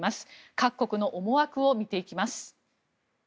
各国の思惑を見ていきます。